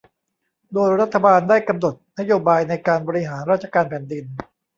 โดยรัฐบาลได้กำหนดนโยบายในการบริหารราชการแผ่นดิน